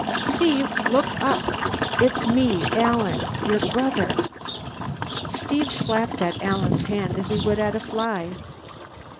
"Steve, look up! It's me Alan your brother!" Steve slapped at Alan's hand as he would at a fly.